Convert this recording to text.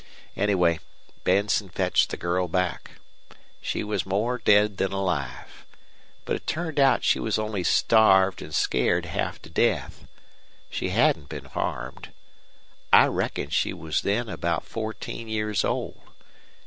Anyway, Benson fetched the girl back. She was more dead than alive. But it turned out she was only starved an' scared half to death. She hadn't been harmed. I reckon she was then about fourteen years old.